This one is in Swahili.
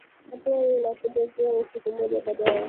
hatua hiyo inakuja ikiwa ni siku moja baada ya wakara